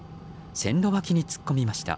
線路脇に突っ込みました。